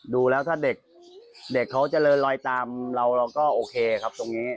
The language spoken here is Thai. ดูแล้วถ้าเด็กเขาเจริญลอยตามเราเราก็โอเคครับตรงนี้